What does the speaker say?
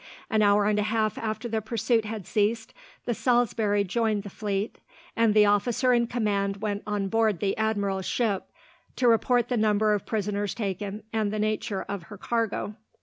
An hour and a half after the pursuit had ceased, the Salisbury joined the fleet, and the officer in command went on board the admiral's ship, to report the number of prisoners taken and the nature of her cargo.